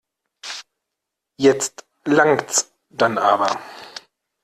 Jetzt langts dann aber.